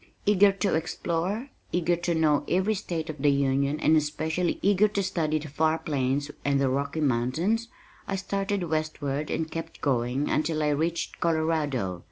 Eager to explore eager to know every state of the Union and especially eager to study the far plains and the Rocky Mountains, I started westward and kept going until I reached Colorado.